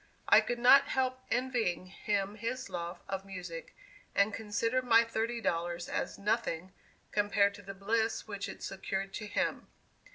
I could not help envying him his love of music, and considered my thirty dollars as nothing, compared to the bliss which it secured to him.